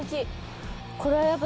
これはやっぱ。